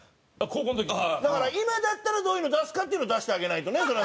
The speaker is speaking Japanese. だから今だったらどういうの出すかっていうのを出してあげないとね。